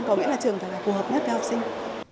có nghĩa là trường phải là phù hợp nhất cho học sinh